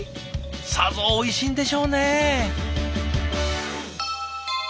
さぞおいしいんでしょうね。